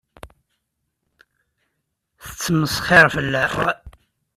Tettmesxiṛ fell-aɣ.